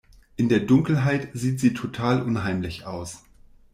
In der Dunkelheit sieht sie total unheimlich aus.